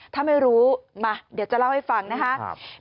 ถ้าไม่รู้มาเดี๋ยวจะเล่าให้ฟังนะครับ